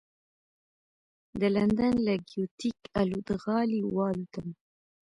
د لندن له ګېټوېک الوتغالي والوتم.